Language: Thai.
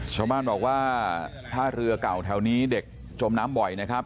ชาวบ้านบอกว่าถ้าเรือเก่าแถวนี้เด็กจมน้ำบ่อยนะครับ